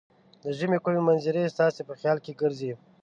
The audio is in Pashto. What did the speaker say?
د ژمې کومې منظرې ستاسې په خیال کې ګرځي؟